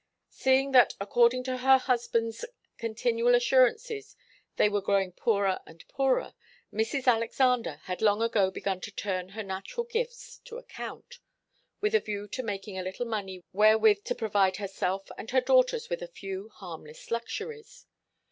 Seeing that according to her husband's continual assurances they were growing poorer and poorer, Mrs. Alexander had long ago begun to turn her natural gifts to account, with a view to making a little money wherewith to provide herself and her daughters with a few harmless luxuries.